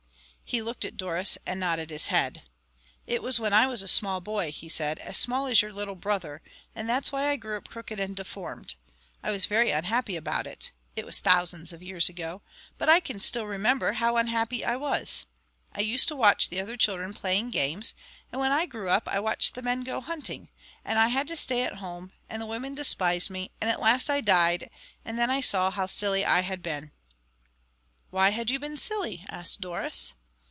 He looked at Doris and nodded his head. "It was when I was a small boy," he said, "as small as your little brother; and that's why I grew up crooked and deformed. I was very unhappy about it. It was thousands of years ago. But I can still remember how unhappy I was. I used to watch the other children playing games, and when I grew up I watched the men go hunting. And I had to stay at home, and the women despised me; and at last I died, and then I saw how silly I had been." "Why had you been silly?" asked Doris.